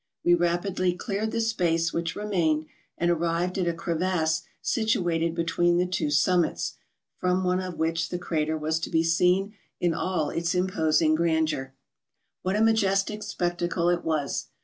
We rapidly cleared the space which re¬ mained, and arrived at a crevasse situated between the two summits, from one of which the crater was to be seen in all its imposing grandeur. Wliat a majestic spectacle it was!